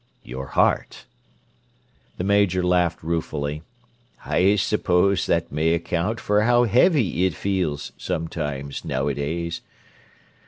"Your heart." The Major laughed ruefully. "I suppose that may account for how heavy it feels, sometimes, nowadays.